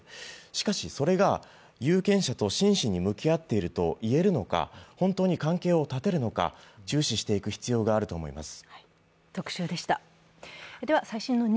しかし、それが有権者と真摯に向き合っていると言えるのか、本当に関係を断てるのか注視していく必要があると思います。